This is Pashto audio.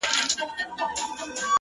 د داســي زيـري انـتــظـار كـومــه!!